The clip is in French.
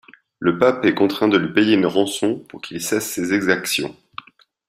Le pape est contraint de lui payer une rançon pour qu'il cesse ses exactions.